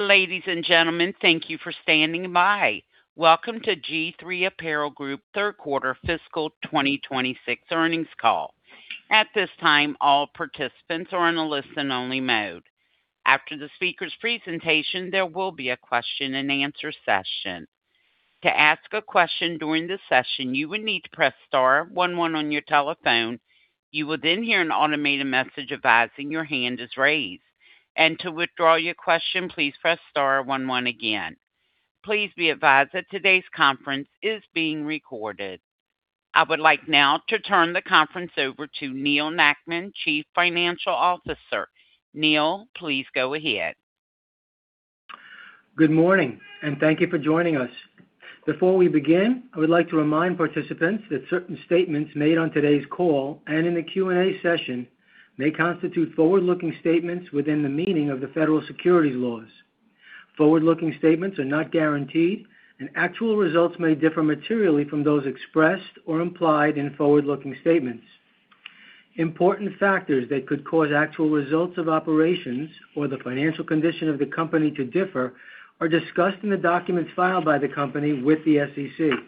Ladies and gentlemen, thank you for standing by. Welcome to G-III Apparel Group Third Quarter Fiscal 2026 earnings call. At this time, all participants are on a listen-only mode. After the speaker's presentation, there will be a question-and-answer session. To ask a question during the session, you will need to press star one, one on your telephone. You will then hear an automated message advising your hand is raised. To withdraw your question, please press star one, one again. Please be advised that today's conference is being recorded. I would like now to turn the conference over to Neal Nackman, Chief Financial Officer. Neal, please go ahead. Good morning, and thank you for joining us. Before we begin, I would like to remind participants that certain statements made on today's call and in the Q&A session may constitute forward-looking statements within the meaning of the Federal Securities Laws. Forward-looking statements are not guaranteed, and actual results may differ materially from those expressed or implied in forward-looking statements. Important factors that could cause actual results of operations or the financial condition of the company to differ are discussed in the documents filed by the company with the SEC.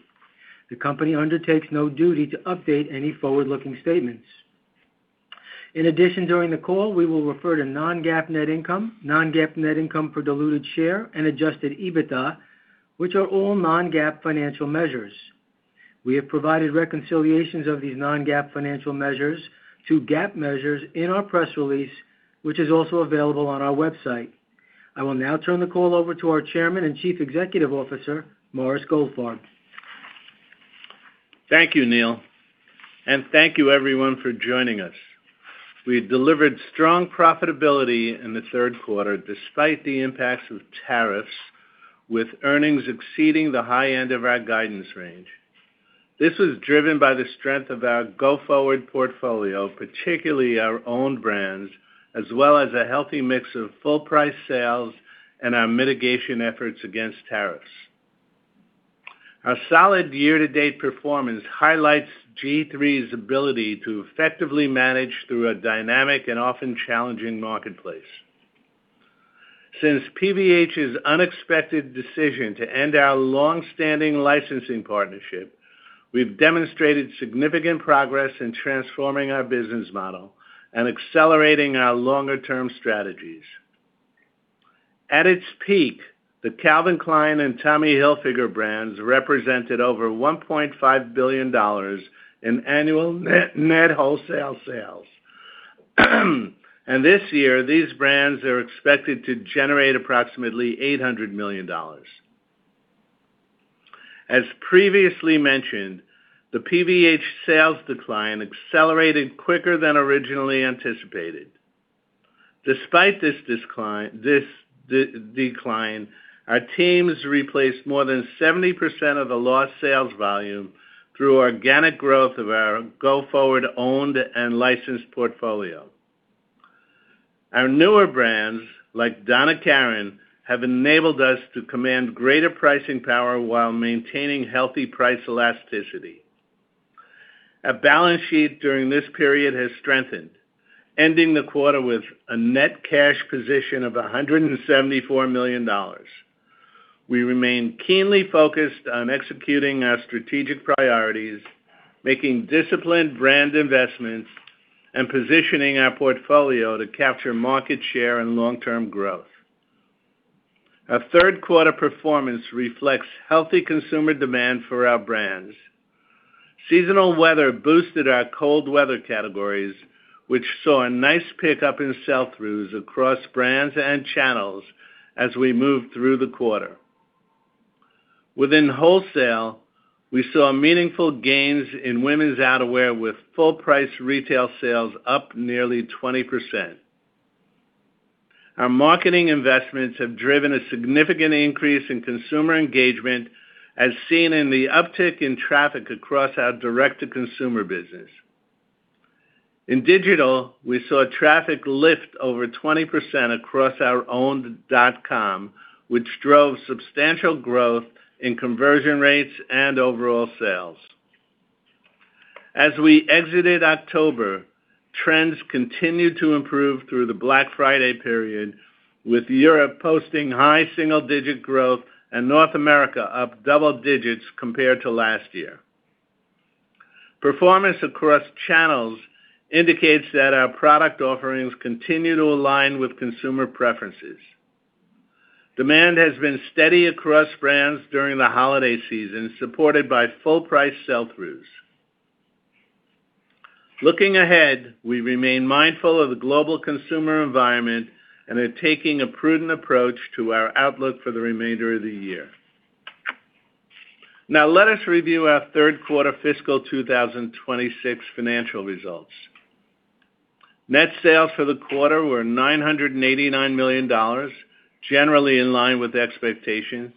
The company undertakes no duty to update any forward-looking statements. In addition, during the call, we will refer to non-GAAP net income, non-GAAP net income for diluted share, and adjusted EBITDA, which are all non-GAAP financial measures. We have provided reconciliations of these non-GAAP financial measures to GAAP measures in our press release, which is also available on our website. I will now turn the call over to our Chairman and Chief Executive Officer, Morris Goldfarb. Thank you, Neal. Thank you, everyone, for joining us. We delivered strong profitability in the third quarter despite the impacts of tariffs, with earnings exceeding the high end of our guidance range. This was driven by the strength of our go-forward portfolio, particularly our own brands, as well as a healthy mix of full-price sales and our mitigation efforts against tariffs. Our solid year-to-date performance highlights G-III's ability to effectively manage through a dynamic and often challenging marketplace. Since PVH's unexpected decision to end our long-standing licensing partnership, we've demonstrated significant progress in transforming our business model and accelerating our longer-term strategies. At its peak, the Calvin Klein and Tommy Hilfiger brands represented over $1.5 billion in annual net wholesale sales. This year, these brands are expected to generate approximately $800 million. As previously mentioned, the PVH sales decline accelerated quicker than originally anticipated. Despite this decline, our teams replaced more than 70% of the lost sales volume through organic growth of our go-forward owned and licensed portfolio. Our newer brands, like Donna Karan, have enabled us to command greater pricing power while maintaining healthy price elasticity. Our balance sheet during this period has strengthened, ending the quarter with a net cash position of $174 million. We remain keenly focused on executing our strategic priorities, making disciplined brand investments, and positioning our portfolio to capture market share and long-term growth. Our third quarter performance reflects healthy consumer demand for our brands. Seasonal weather boosted our cold weather categories, which saw a nice pickup in sell-throughs across brands and channels as we moved through the quarter. Within wholesale, we saw meaningful gains in women's outerwear, with full-price retail sales up nearly 20%. Our marketing investments have driven a significant increase in consumer engagement, as seen in the uptick in traffic across our direct-to-consumer business. In digital, we saw traffic lift over 20% across our owned dot-com, which drove substantial growth in conversion rates and overall sales. As we exited October, trends continued to improve through the Black Friday period, with Europe posting high single-digit growth and North America up double-digits compared to last year. Performance across channels indicates that our product offerings continue to align with consumer preferences. Demand has been steady across brands during the holiday season, supported by full-price sell-throughs. Looking ahead, we remain mindful of the global consumer environment and are taking a prudent approach to our outlook for the remainder of the year. Now, let us review our third quarter fiscal 2026 financial results. Net sales for the quarter were $989 million, generally in line with expectations.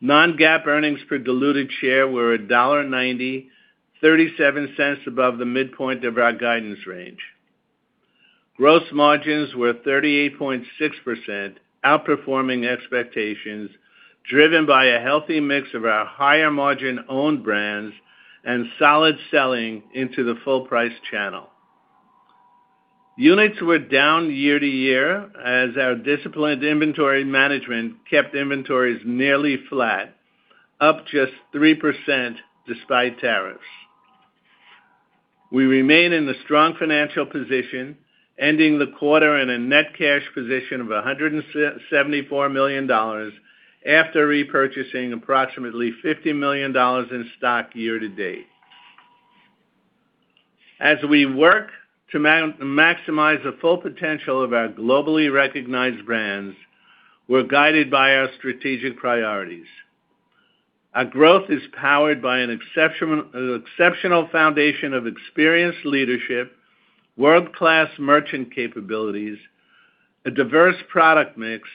Non-GAAP earnings per diluted share were $1.90, $0.37 above the midpoint of our guidance range. Gross margins were 38.6%, outperforming expectations, driven by a healthy mix of our higher-margin owned brands and solid selling into the full-price channel. Units were down year-to-year as our disciplined inventory management kept inventories nearly flat, up just 3% despite tariffs. We remain in the strong financial position, ending the quarter in a net cash position of $174 million after repurchasing approximately $50 million in stock year-to-date. As we work to maximize the full potential of our globally recognized brands, we're guided by our strategic priorities. Our growth is powered by an exceptional foundation of experienced leadership, world-class merchant capabilities, a diverse product mix,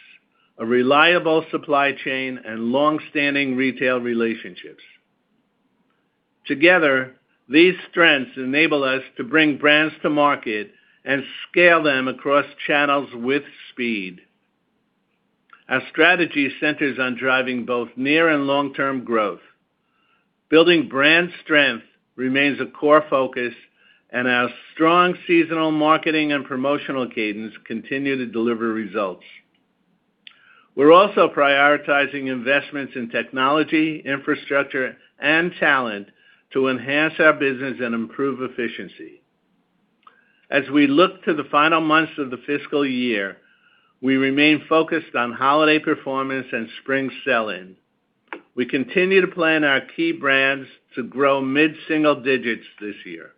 a reliable supply chain, and long-standing retail relationships. Together, these strengths enable us to bring brands to market and scale them across channels with speed. Our strategy centers on driving both near and long-term growth. Building brand strength remains a core focus, and our strong seasonal marketing and promotional cadence continue to deliver results. We're also prioritizing investments in technology, infrastructure, and talent to enhance our business and improve efficiency. As we look to the final months of the fiscal year, we remain focused on holiday performance and spring sell-in. We continue to plan our key brands to grow mid-single digits this year.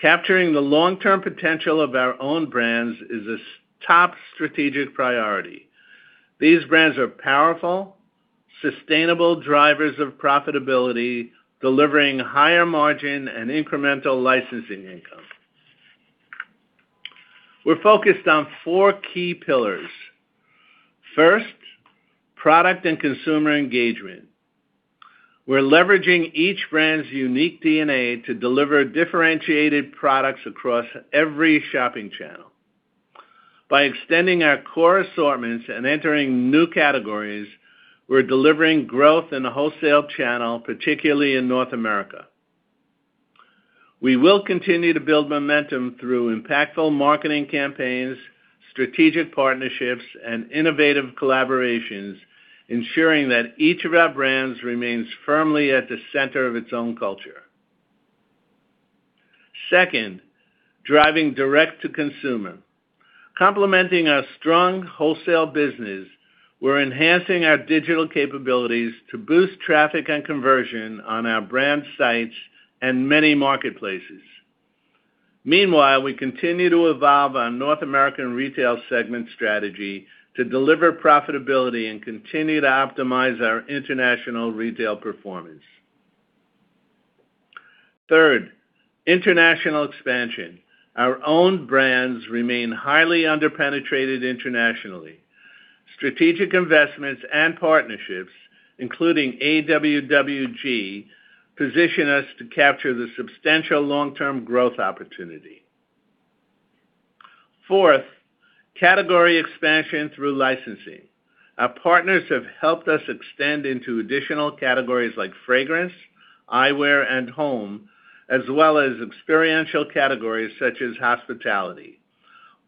Capturing the long-term potential of our own brands is a top strategic priority. These brands are powerful, sustainable drivers of profitability, delivering higher margin and incremental licensing income. We're focused on four key pillars. First, Product and Consumer Engagement. We're leveraging each brand's unique DNA to deliver differentiated products across every shopping channel. By extending our core assortments and entering new categories, we're delivering growth in the wholesale channel, particularly in North America. We will continue to build momentum through impactful marketing campaigns, strategic partnerships, and innovative collaborations, ensuring that each of our brands remains firmly at the center of its own culture. Second, driving Direct-to-Consumer. Complementing our strong wholesale business, we're enhancing our digital capabilities to boost traffic and conversion on our brand sites and many marketplaces. Meanwhile, we continue to evolve our North American retail segment strategy to deliver profitability and continue to optimize our international retail performance. Third, International Expansion. Our owned brands remain highly under-penetrated internationally. Strategic investments and partnerships, including AWWG, position us to capture the substantial long-term growth opportunity. Fourth, Category Expansion through licensing. Our partners have helped us extend into additional categories like fragrance, eyewear, and home, as well as experiential categories such as hospitality,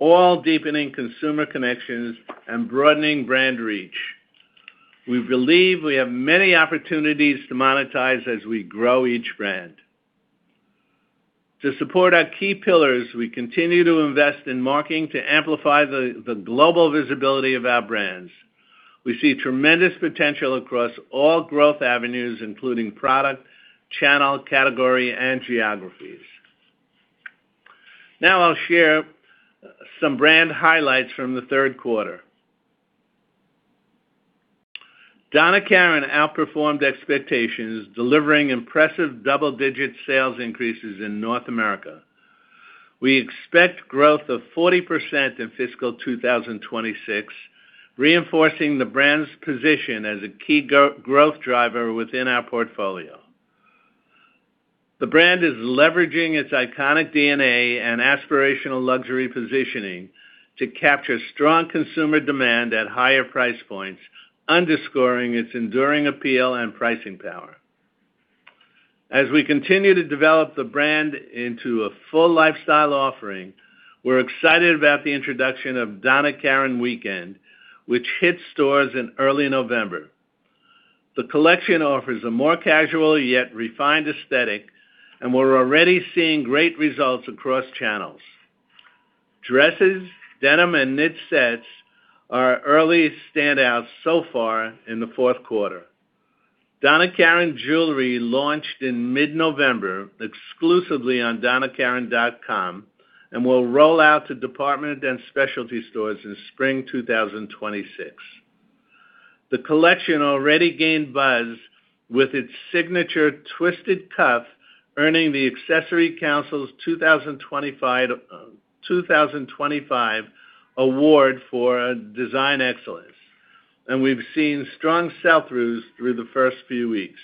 all deepening consumer connections and broadening brand reach. We believe we have many opportunities to monetize as we grow each brand. To support our key pillars, we continue to invest in marketing to amplify the global visibility of our brands. We see tremendous potential across all growth avenues, including product, channel, category, and geographies. Now, I'll share some brand highlights from the third quarter. Donna Karan outperformed expectations, delivering impressive double-digit sales increases in North America. We expect growth of 40% in fiscal 2026, reinforcing the brand's position as a key growth driver within our portfolio. The brand is leveraging its iconic DNA and aspirational luxury positioning to capture strong consumer demand at higher price points, underscoring its enduring appeal and pricing power. As we continue to develop the brand into a full lifestyle offering, we're excited about the introduction of Donna Karan Weekend, which hits stores in early November. The collection offers a more casual yet refined aesthetic, and we're already seeing great results across channels. Dresses, denim, and knit sets are our early standouts so far in the fourth quarter. Donna Karan Jewelry launched in mid-November exclusively on donnakaran.com and will roll out to department and specialty stores in spring 2026. The collection already gained buzz with its signature twisted cuff, earning the Accessory Council's 2025 Award for Design Excellence, and we've seen strong sell-throughs through the first few weeks.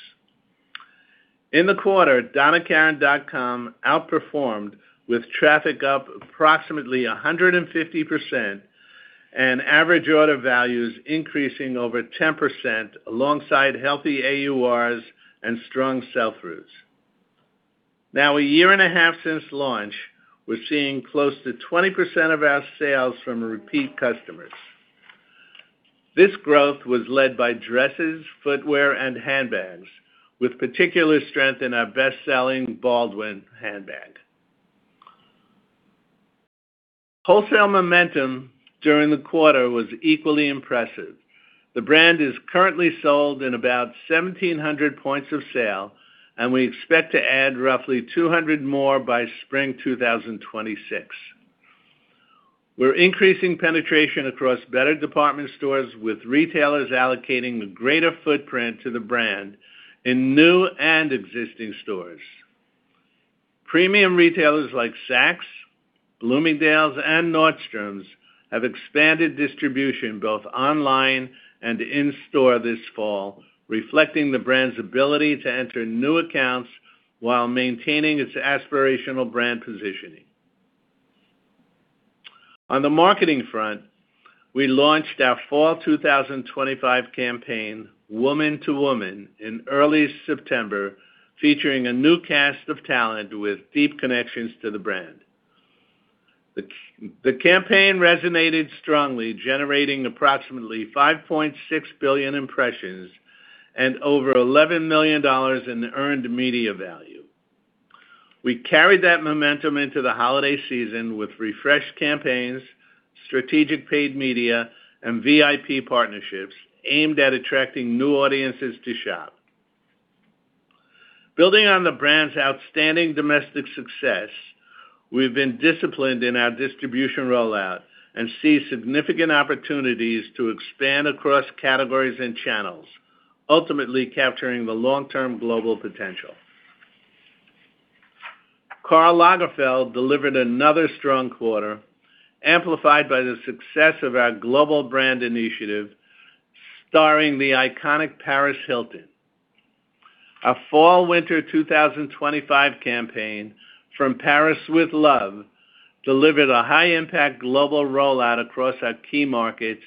In the quarter, donnakaran.com outperformed with traffic up approximately 150% and average order values increasing over 10% alongside healthy AURs and strong sell-throughs. Now, a year and a half since launch, we're seeing close to 20% of our sales from repeat customers. This growth was led by dresses, footwear, and handbags, with particular strength in our best-selling Baldwin handbag. Wholesale momentum during the quarter was equally impressive. The brand is currently sold in about 1,700 points of sale, and we expect to add roughly 200 more by spring 2026. We're increasing penetration across better department stores, with retailers allocating a greater footprint to the brand in new and existing stores. Premium retailers like Saks, Bloomingdale's, and Nordstrom have expanded distribution both online and in-store this fall, reflecting the brand's ability to enter new accounts while maintaining its aspirational brand positioning. On the marketing front, we launched our fall 2025 campaign, Woman to Woman, in early September, featuring a new cast of talent with deep connections to the brand. The campaign resonated strongly, generating approximately 5.6 billion impressions and over $11 million in earned media value. We carried that momentum into the holiday season with refreshed campaigns, strategic paid media, and VIP partnerships aimed at attracting new audiences to shop. Building on the brand's outstanding domestic success, we've been disciplined in our distribution rollout and see significant opportunities to expand across categories and channels, ultimately capturing the long-term global potential. Karl Lagerfeld delivered another strong quarter, amplified by the success of our global brand initiative, starring the iconic Paris Hilton. Our fall/winter 2025 campaign, From Paris with Love, delivered a high-impact global rollout across our key markets,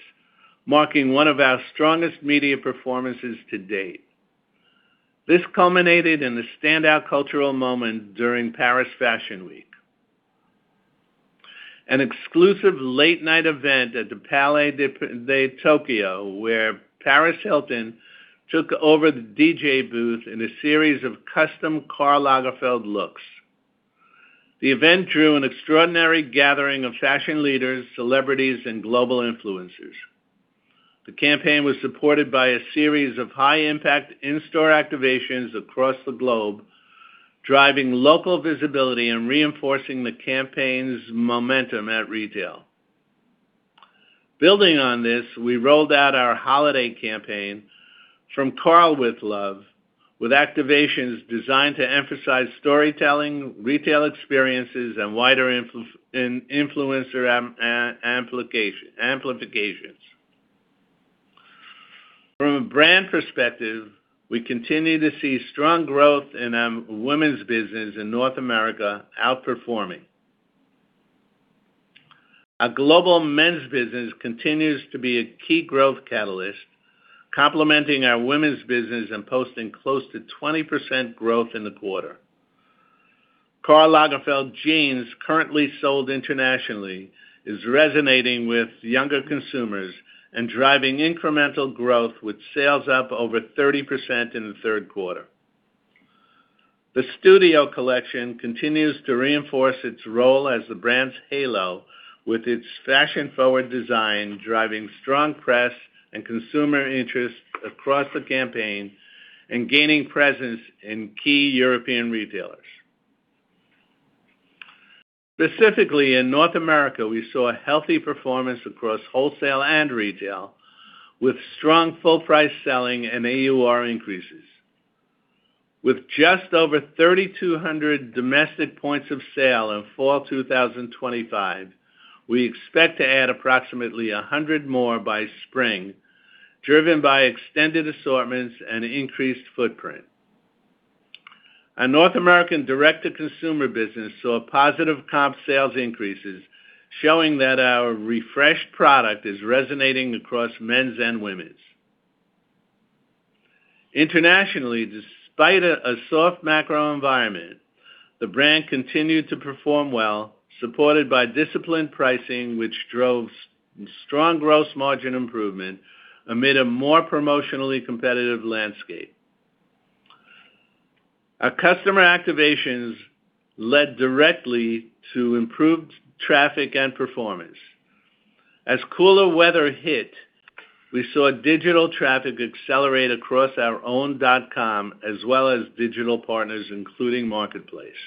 marking one of our strongest media performances to date. This culminated in a standout cultural moment during Paris Fashion Week, an exclusive late-night event at the Palais de Tokyo, where Paris Hilton took over the DJ booth in a series of custom Karl Lagerfeld looks. The event drew an extraordinary gathering of fashion leaders, celebrities, and global influencers. The campaign was supported by a series of high-impact in-store activations across the globe, driving local visibility and reinforcing the campaign's momentum at retail. Building on this, we rolled out our holiday campaign, From Karl with Love, with activations designed to emphasize storytelling, retail experiences, and wider influencer amplifications. From a brand perspective, we continue to see strong growth in our women's business in North America, outperforming. Our global men's business continues to be a key growth catalyst, complementing our women's business and posting close to 20% growth in the quarter. Karl Lagerfeld Jeans, currently sold internationally, is resonating with younger consumers and driving incremental growth, with sales up over 30% in the third quarter. The Studio collection continues to reinforce its role as the brand's halo, with its fashion-forward design driving strong press and consumer interest across the campaign and gaining presence in key European retailers. Specifically, in North America, we saw healthy performance across wholesale and retail, with strong full-price selling and AUR increases. With just over 3,200 domestic points of sale in fall 2025, we expect to add approximately 100 more by spring, driven by extended assortments and increased footprint. Our North American direct-to-consumer business saw positive comp sales increases, showing that our refreshed product is resonating across men's and women's. Internationally, despite a soft macro environment, the brand continued to perform well, supported by disciplined pricing, which drove strong gross margin improvement amid a more promotionally competitive landscape. Our customer activations led directly to improved traffic and performance. As cooler weather hit, we saw digital traffic accelerate across our own dot com, as well as digital partners, including Marketplace.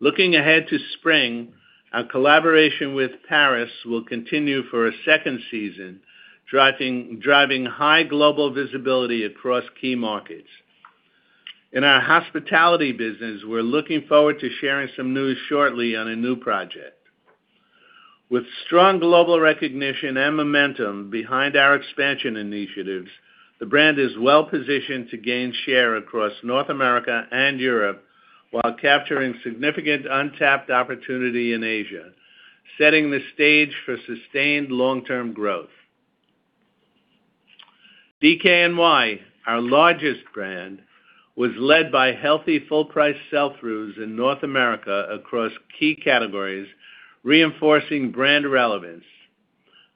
Looking ahead to spring, our collaboration with Paris will continue for a second season, driving high global visibility across key markets. In our hospitality business, we're looking forward to sharing some news shortly on a new project. With strong global recognition and momentum behind our expansion initiatives, the brand is well-positioned to gain share across North America and Europe while capturing significant untapped opportunity in Asia, setting the stage for sustained long-term growth. DKNY, our largest brand, was led by healthy full-price sell-throughs in North America across key categories, reinforcing brand relevance.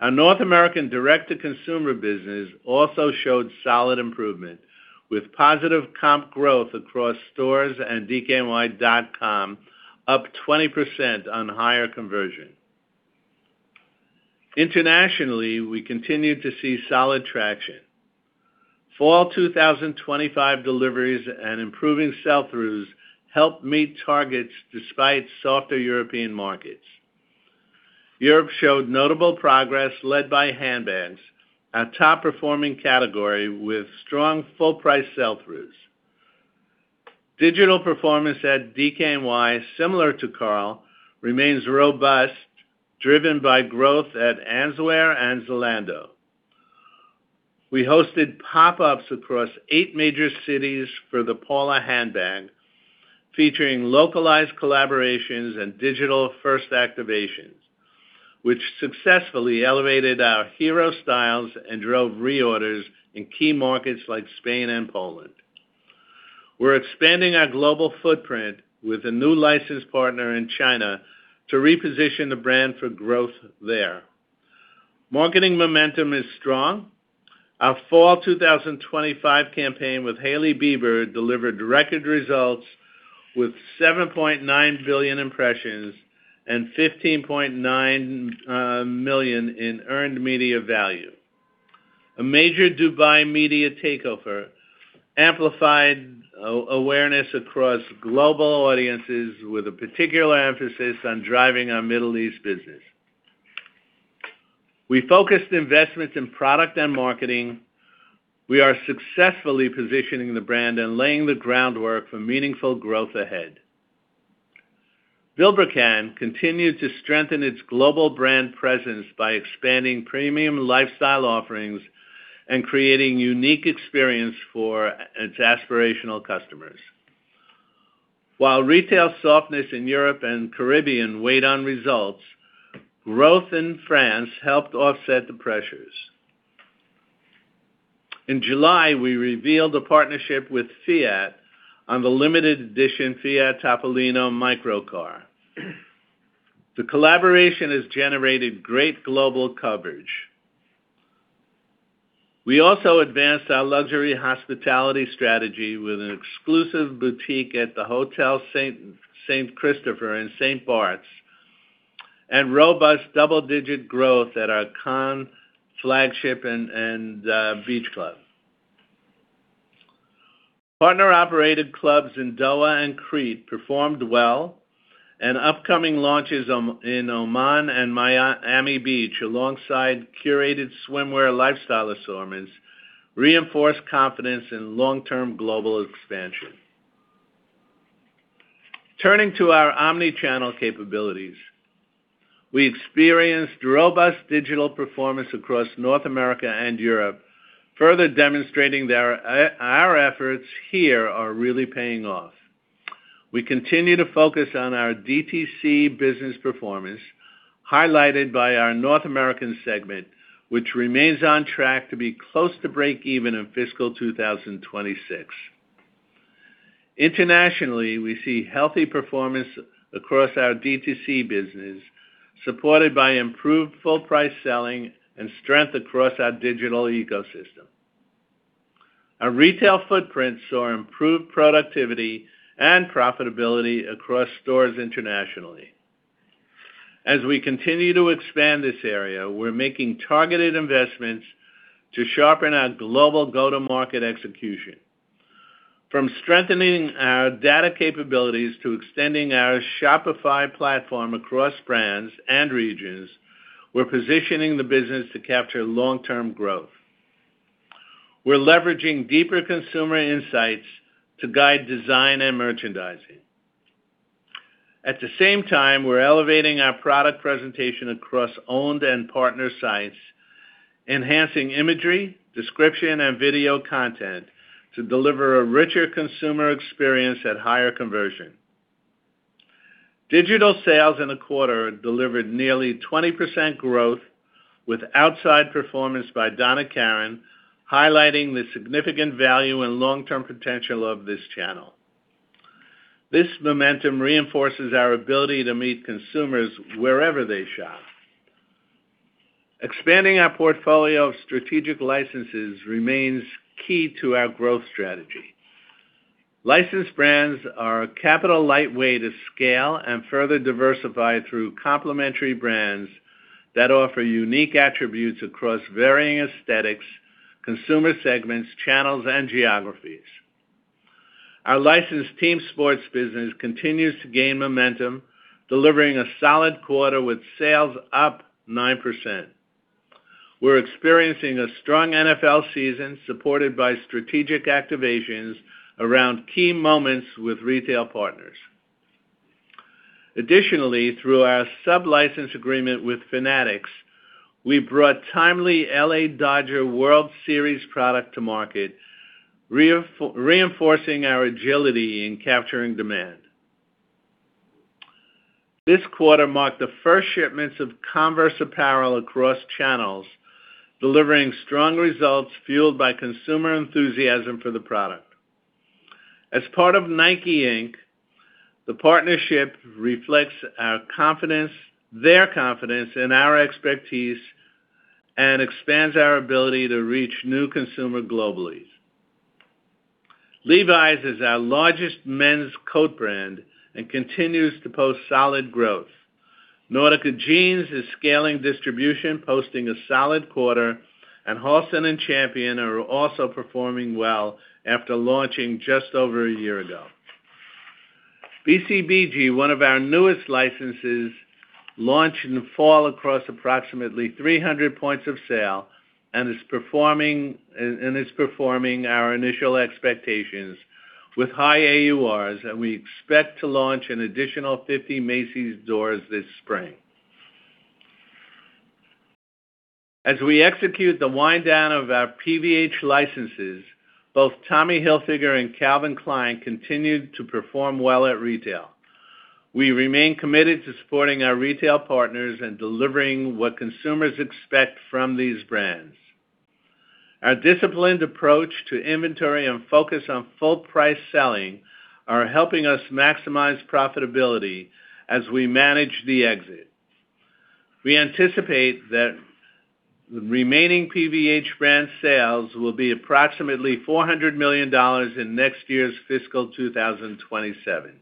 Our North American direct-to-consumer business also showed solid improvement, with positive comp growth across stores and DKNY.com, up 20% on higher conversion. Internationally, we continue to see solid traction. Fall 2025 deliveries and improving sell-throughs helped meet targets despite softer European markets. Europe showed notable progress led by handbags, our top-performing category, with strong full-price sell-throughs. Digital performance at DKNY, similar to Karl, remains robust, driven by growth at Answear and Zalando. We hosted pop-ups across eight major cities for the Paula handbag, featuring localized collaborations and digital first activations, which successfully elevated our hero styles and drove reorders in key markets like Spain and Poland. We're expanding our global footprint with a new licensed partner in China to reposition the brand for growth there. Marketing momentum is strong. Our fall 2025 campaign with Hailey Bieber delivered record results, with 7.9 billion impressions and 15.9 million in earned media value. A major Dubai media takeover amplified awareness across global audiences, with a particular emphasis on driving our Middle East business. We focused investments in product and marketing. We are successfully positioning the brand and laying the groundwork for meaningful growth ahead. Vilebrequin continued to strengthen its global brand presence by expanding premium lifestyle offerings and creating unique experiences for its aspirational customers. While retail softness in Europe and the Caribbean weighed on results, growth in France helped offset the pressures. In July, we revealed a partnership with Fiat on the limited edition Fiat Topolino micro car. The collaboration has generated great global coverage. We also advanced our luxury hospitality strategy with an exclusive boutique at the Hotel Saint Christopher in Saint-Barths and robust double-digit growth at our Cannes flagship and beach club. Partner-operated clubs in Doha and Crete performed well, and upcoming launches in Oman and Miami Beach, alongside curated swimwear lifestyle assortments, reinforced confidence in long-term global expansion. Turning to our omnichannel capabilities, we experienced robust digital performance across North America and Europe, further demonstrating that our efforts here are really paying off. We continue to focus on our DTC business performance, highlighted by our North American segment, which remains on track to be close to break-even in fiscal 2026. Internationally, we see healthy performance across our DTC business, supported by improved full-price selling and strength across our digital ecosystem. Our retail footprint saw improved productivity and profitability across stores internationally. As we continue to expand this area, we're making targeted investments to sharpen our global go-to-market execution. From strengthening our data capabilities to extending our Shopify platform across brands and regions, we're positioning the business to capture long-term growth. We're leveraging deeper consumer insights to guide design and merchandising. At the same time, we're elevating our product presentation across owned and partner sites, enhancing imagery, description, and video content to deliver a richer consumer experience at higher conversion. Digital sales in the quarter delivered nearly 20% growth, with outsize performance by Donna Karan highlighting the significant value and long-term potential of this channel. This momentum reinforces our ability to meet consumers wherever they shop. Expanding our portfolio of strategic licenses remains key to our growth strategy. Licensed brands are a capital-light way to scale and further diversify through complementary brands that offer unique attributes across varying aesthetics, consumer segments, channels, and geographies. Our licensed team sports business continues to gain momentum, delivering a solid quarter with sales up 9%. We're experiencing a strong NFL season, supported by strategic activations around key moments with retail partners. Additionally, through our sub-license agreement with Fanatics, we brought timely LA Dodgers World Series product to market, reinforcing our agility in capturing demand. This quarter marked the first shipments of Converse apparel across channels, delivering strong results fueled by consumer enthusiasm for the product. As part of Nike, Inc., the partnership reflects their confidence in our expertise and expands our ability to reach new consumers globally. Levi's is our largest men's coat brand and continues to post solid growth. Nautica Jeans is scaling distribution, posting a solid quarter, and Halston and Champion are also performing well after launching just over a year ago. BCBG, one of our newest licenses, launched in fall across approximately 300 points of sale and is performing our initial expectations with high AURs, and we expect to launch an additional 50 Macy's doors this spring. As we execute the wind-down of our PVH licenses, both Tommy Hilfiger and Calvin Klein continue to perform well at retail. We remain committed to supporting our retail partners and delivering what consumers expect from these brands. Our disciplined approach to inventory and focus on full-price selling are helping us maximize profitability as we manage the exit. We anticipate that the remaining PVH brand sales will be approximately $400 million in next year's fiscal 2027.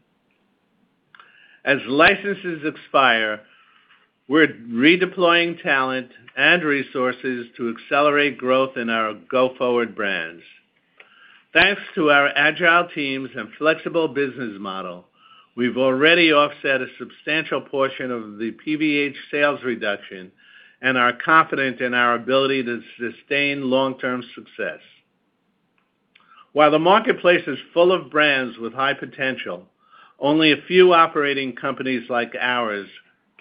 As licenses expire, we're redeploying talent and resources to accelerate growth in our go-forward brands. Thanks to our agile teams and flexible business model, we've already offset a substantial portion of the PVH sales reduction and are confident in our ability to sustain long-term success. While the marketplace is full of brands with high potential, only a few operating companies like ours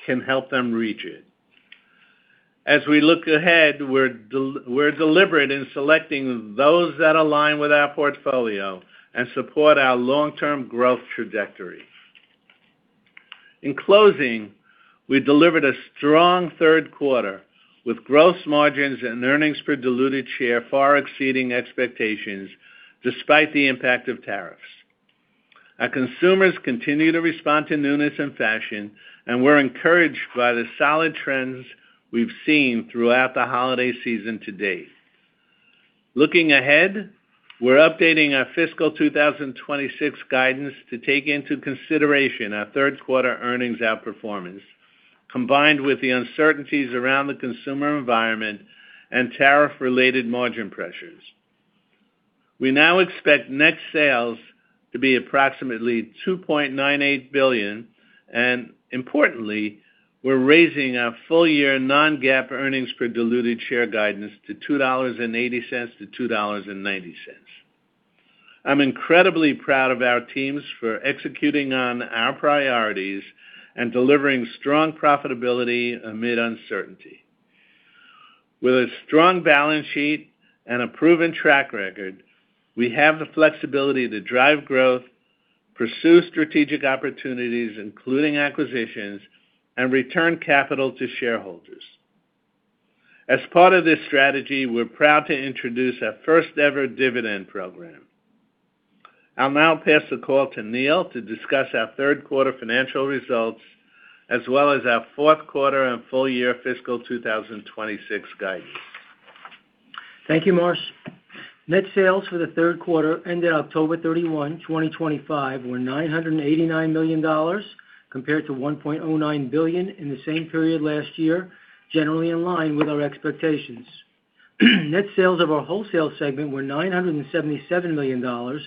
can help them reach it. As we look ahead, we're deliberate in selecting those that align with our portfolio and support our long-term growth trajectory. In closing, we delivered a strong third quarter with gross margins and earnings per diluted share far exceeding expectations despite the impact of tariffs. Our consumers continue to respond to newness and fashion, and we're encouraged by the solid trends we've seen throughout the holiday season to date. Looking ahead, we're updating our fiscal 2026 guidance to take into consideration our third quarter earnings outperformance, combined with the uncertainties around the consumer environment and tariff-related margin pressures. We now expect net sales to be approximately $2.98 billion, and importantly, we're raising our full-year non-GAAP earnings per diluted share guidance to $2.80-$2.90. I'm incredibly proud of our teams for executing on our priorities and delivering strong profitability amid uncertainty. With a strong balance sheet and a proven track record, we have the flexibility to drive growth, pursue strategic opportunities, including acquisitions, and return capital to shareholders. As part of this strategy, we're proud to introduce our first-ever dividend program. I'll now pass the call to Neal to discuss our third quarter financial results, as well as our fourth quarter and full-year fiscal 2026 guidance. Thank you, Morris. Net sales for the third quarter ended October 31, 2025, were $989 million, compared to $1.09 billion in the same period last year, generally in line with our expectations. Net sales of our wholesale segment were $977 million,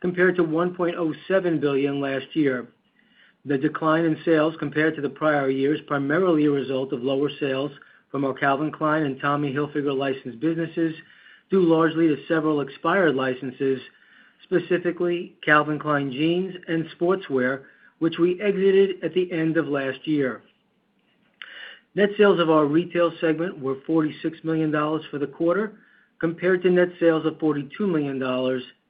compared to $1.07 billion last year. The decline in sales compared to the prior year is primarily a result of lower sales from our Calvin Klein and Tommy Hilfiger licensed businesses, due largely to several expired licenses, specifically Calvin Klein Jeans and Sportswear, which we exited at the end of last year. Net sales of our retail segment were $46 million for the quarter, compared to net sales of $42 million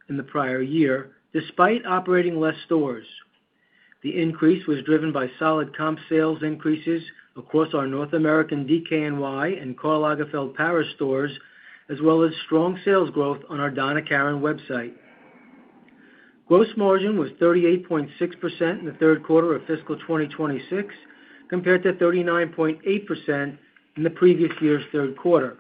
in the prior year, despite operating less stores. The increase was driven by solid comp sales increases across our North American DKNY and Karl Lagerfeld power stores, as well as strong sales growth on our Donna Karan website. Gross margin was 38.6% in the third quarter of fiscal 2026, compared to 39.8% in the previous year's third quarter.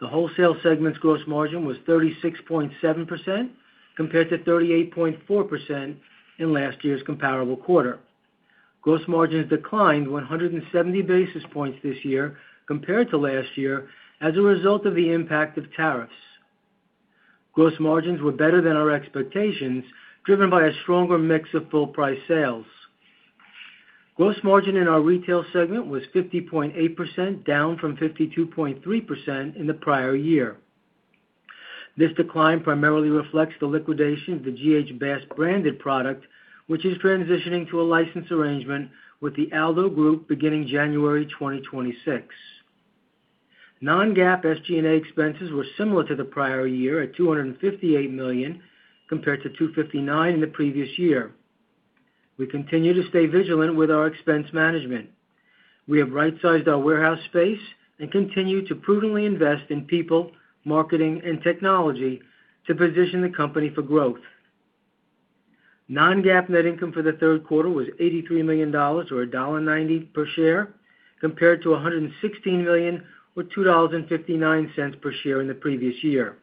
The wholesale segment's gross margin was 36.7%, compared to 38.4% in last year's comparable quarter. Gross margins declined 170 basis points this year, compared to last year, as a result of the impact of tariffs. Gross margins were better than our expectations, driven by a stronger mix of full-price sales. Gross margin in our retail segment was 50.8%, down from 52.3% in the prior year. This decline primarily reflects the liquidation of the G.H.BASS branded product, which is transitioning to a license arrangement with the ALDO Group beginning January 2026. Non-GAAP SG&A expenses were similar to the prior year at $258 million, compared to $259 million in the previous year. We continue to stay vigilant with our expense management. We have right-sized our warehouse space and continue to prudently invest in people, marketing, and technology to position the company for growth. Non-GAAP net income for the third quarter was $83 million, or $1.90 per share, compared to $116 million, or $2.59 per share in the previous year.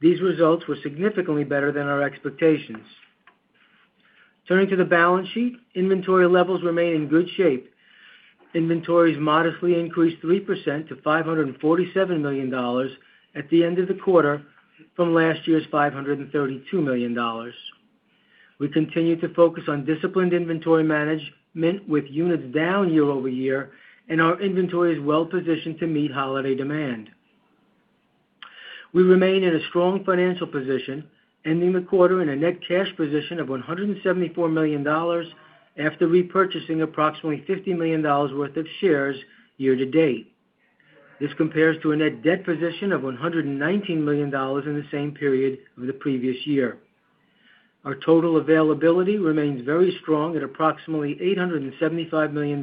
These results were significantly better than our expectations. Turning to the balance sheet, inventory levels remain in good shape. Inventories modestly increased 3% to $547 million at the end of the quarter from last year's $532 million. We continue to focus on disciplined inventory management with units down year-over-year, and our inventory is well-positioned to meet holiday demand. We remain in a strong financial position, ending the quarter in a net cash position of $174 million after repurchasing approximately $50 million worth of shares year to date. This compares to a net debt position of $119 million in the same period of the previous year. Our total availability remains very strong at approximately $875 million.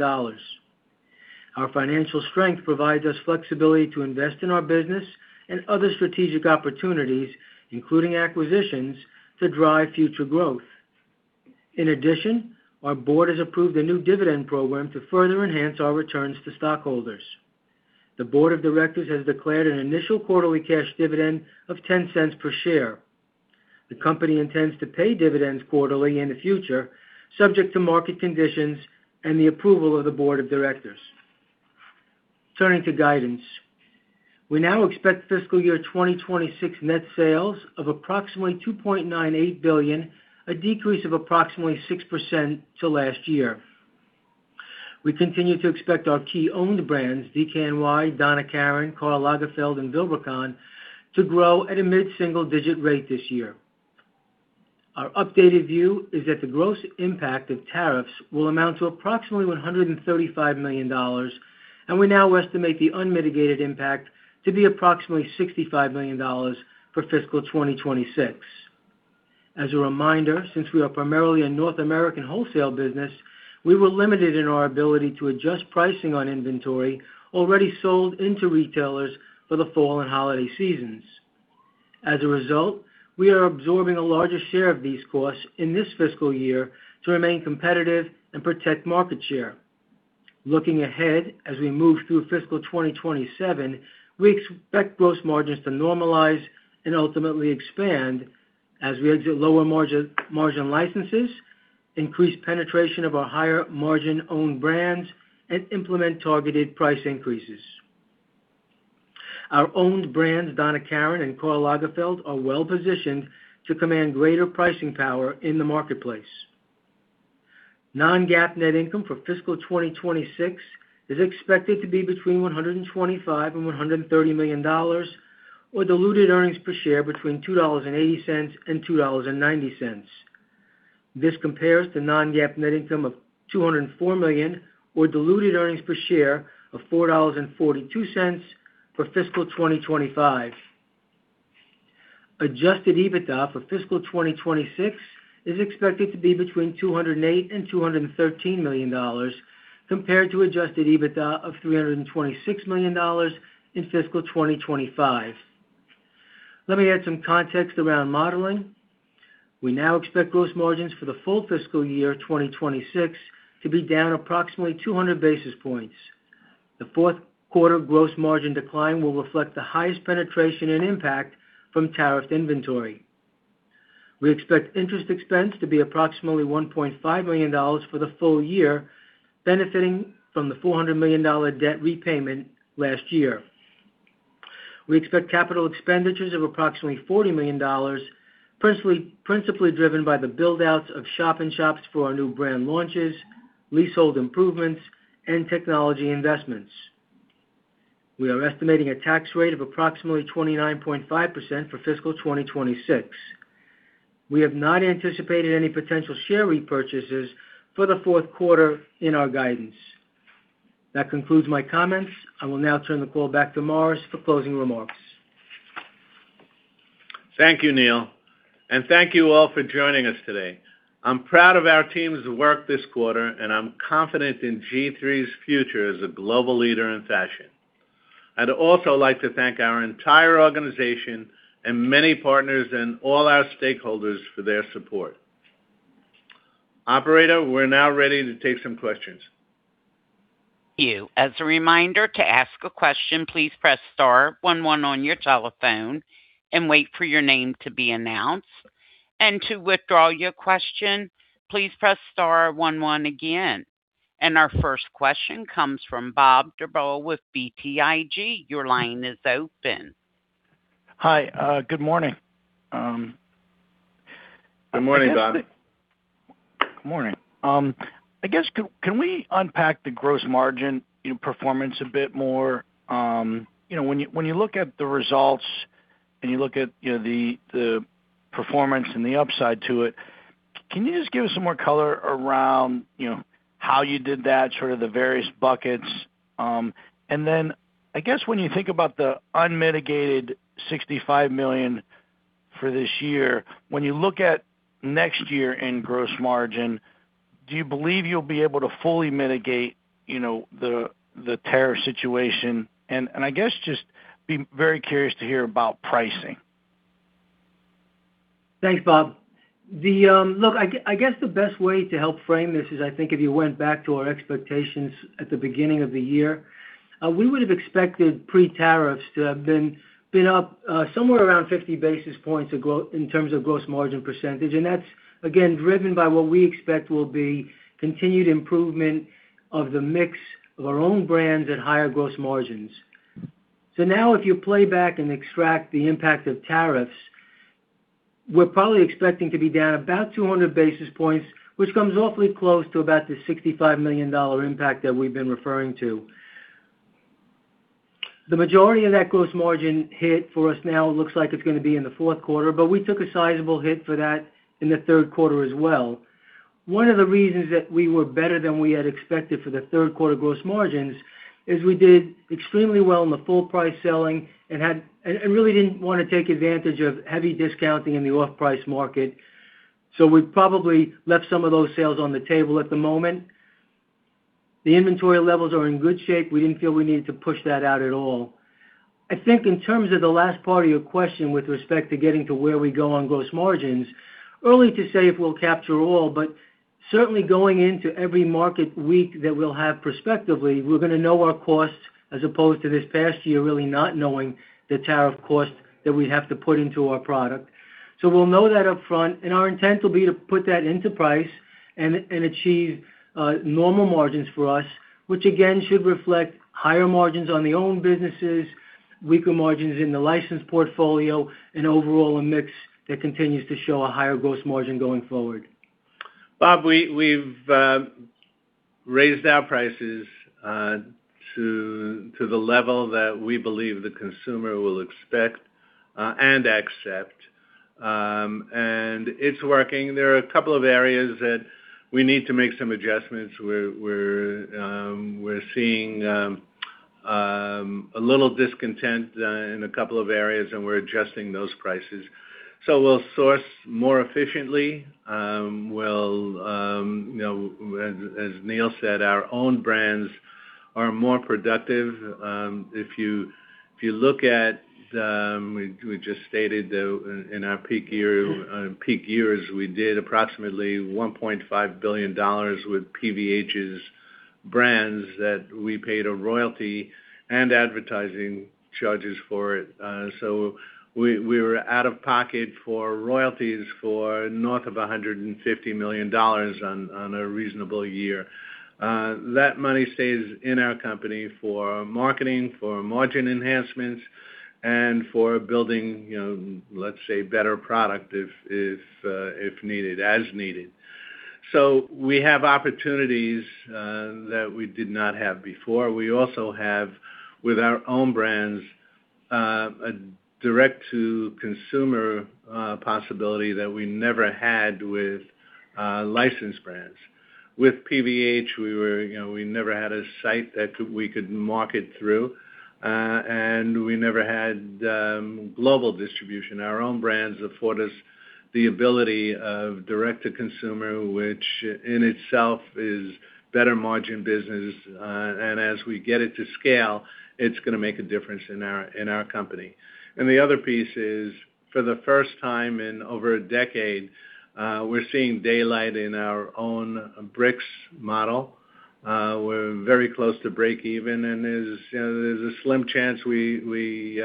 Our financial strength provides us flexibility to invest in our business and other strategic opportunities, including acquisitions, to drive future growth. In addition, our Board has approved a new dividend program to further enhance our returns to stockholders. The Board of Directors has declared an initial quarterly cash dividend of $0.10 per share. The company intends to pay dividends quarterly in the future, subject to market conditions and the approval of the Board of Directors. Turning to guidance, we now expect fiscal year 2026 net sales of approximately $2.98 billion, a decrease of approximately 6% to last year. We continue to expect our key owned brands, DKNY, Donna Karan, Karl Lagerfeld, and Vilebrequin, to grow at a mid-single-digit rate this year. Our updated view is that the gross impact of tariffs will amount to approximately $135 million, and we now estimate the unmitigated impact to be approximately $65 million for fiscal 2026. As a reminder, since we are primarily a North American wholesale business, we were limited in our ability to adjust pricing on inventory already sold into retailers for the fall and holiday seasons. As a result, we are absorbing a larger share of these costs in this fiscal year to remain competitive and protect market share. Looking ahead as we move through fiscal 2027, we expect gross margins to normalize and ultimately expand as we exit lower margin licenses, increase penetration of our higher margin-owned brands, and implement targeted price increases. Our owned brands, Donna Karan and Karl Lagerfeld, are well-positioned to command greater pricing power in the marketplace. Non-GAAP net income for fiscal 2026 is expected to be between $125 million-$130 million, or diluted earnings per share between $2.80-$2.90. This compares to non-GAAP net income of $204 million, or diluted earnings per share of $4.42 for fiscal 2025. Adjusted EBITDA for fiscal 2026 is expected to be between $208 million-$213 million, compared to adjusted EBITDA of $326 million in fiscal 2025. Let me add some context around modeling. We now expect gross margins for the full fiscal year 2026 to be down approximately 200 basis points. The fourth quarter gross margin decline will reflect the highest penetration and impact from tariffed inventory. We expect interest expense to be approximately $1.5 million for the full year, benefiting from the $400 million debt repayment last year. We expect capital expenditures of approximately $40 million, principally driven by the buildouts of shop-in-shops for our new brand launches, leasehold improvements, and technology investments. We are estimating a tax rate of approximately 29.5% for fiscal 2026. We have not anticipated any potential share repurchases for the fourth quarter in our guidance. That concludes my comments. I will now turn the call back to Morris for closing remarks. Thank you, Neal. Thank you all for joining us today. I'm proud of our team's work this quarter, and I'm confident in G-III's future as a global leader in fashion. I'd also like to thank our entire organization and many partners and all our stakeholders for their support. Operator, we're now ready to take some questions. Thank you. As a reminder, to ask a question, please press star one one on your telephone and wait for your name to be announced. And to withdraw your question, please press star one one again. Our first question comes from Bob Drbul with BTIG. Your line is open. Hi. Good morning. Good morning, Bob. Good morning. I guess, can we unpack the gross margin performance a bit more? When you look at the results and you look at the performance and the upside to it, can you just give us some more color around how you did that, sort of the various buckets? Then, I guess, when you think about the unmitigated $65 million for this year, when you look at next year in gross margin, do you believe you'll be able to fully mitigate the tariff situation? I guess just be very curious to hear about pricing. Thanks, Bob. Look, I guess the best way to help frame this is, I think, if you went back to our expectations at the beginning of the year, we would have expected pre-tariffs to have been up somewhere around 50 basis points in terms of gross margin percentage. That's, again, driven by what we expect will be continued improvement of the mix of our own brands at higher gross margins. Now, if you play back and extract the impact of tariffs, we're probably expecting to be down about 200 basis points, which comes awfully close to about the $65 million impact that we've been referring to. The majority of that gross margin hit for us now looks like it's going to be in the fourth quarter, but we took a sizable hit for that in the third quarter as well. One of the reasons that we were better than we had expected for the third quarter gross margins is we did extremely well in the full-price selling and really didn't want to take advantage of heavy discounting in the off-price market. So we probably left some of those sales on the table at the moment. The inventory levels are in good shape. We didn't feel we needed to push that out at all. I think in terms of the last part of your question with respect to getting to where we want to go on gross margins, it's early to say if we'll capture all, but certainly going into every market week that we'll have prospectively, we're going to know our costs as opposed to this past year really not knowing the tariff cost that we'd have to put into our product. So we'll know that upfront. Our intent will be to put that into price and achieve normal margins for us, which, again, should reflect higher margins on the owned businesses, weaker margins in the licensed portfolio, and overall a mix that continues to show a higher gross margin going forward. Bob, we've raised our prices to the level that we believe the consumer will expect and accept, and it's working. There are a couple of areas that we need to make some adjustments. We're seeing a little discontent in a couple of areas, and we're adjusting those prices, so we'll source more efficiently. As Neal said, our owned brands are more productive. If you look at the way we just stated in our peak years, we did approximately $1.5 billion with PVH's brands that we paid a royalty and advertising charges for. So we were out of pocket for royalties for north of $150 million on a reasonable year. That money stays in our company for marketing, for margin enhancements, and for building, let's say, better product if needed, as needed. So we have opportunities that we did not have before. We also have, with our owned brands, a direct-to-consumer possibility that we never had with licensed brands. With PVH, we never had a site that we could market through, and we never had global distribution. Our owned brands afford us the ability of direct-to-consumer, which in itself is better margin business. As we get it to scale, it's going to make a difference in our company. And the other piece is, for the first time in over a decade, we're seeing daylight in our own bricks model. We're very close to break even, and there's a slim chance we